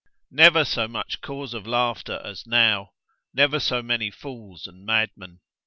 Never so much cause of laughter as now, never so many fools and madmen.